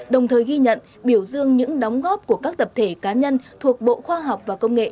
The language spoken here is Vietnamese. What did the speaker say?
đồng thời ghi nhận biểu dương những đóng góp của các tập thể cá nhân thuộc bộ khoa học và công nghệ